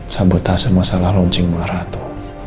sabotase masalah launching marathon